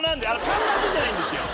看板出てないんですよ。